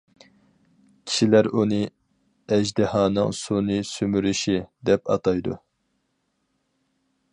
كىشىلەر ئۇنى «ئەجدىھانىڭ سۇنى سۈمۈرۈشى» دەپ ئاتايدۇ.